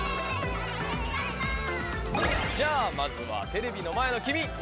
じゃあまずはテレビの前のきみ！